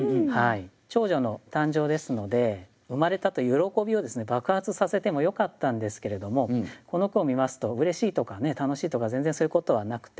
長女の誕生ですので生まれたという喜びを爆発させてもよかったんですけれどもこの句を見ますとうれしいとか楽しいとか全然そういうことはなくて。